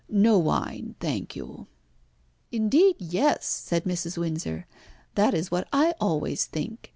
No wine, thank you." "Indeed, yes," said Mrs. Windsor, "that is what I always think.